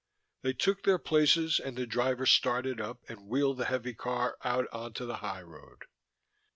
They took their places and the driver started up and wheeled the heavy car out onto the highroad.